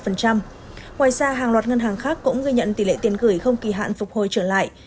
ngoài ra hàng loạt ngân hàng khác cũng ghi nhận tỷ lệ tiền gửi không kỳ hạn phục hồi trở lại